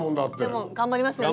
でも頑張りますよね。